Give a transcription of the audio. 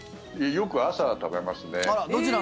よく朝、食べますね。